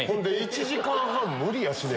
１時間半無理やしね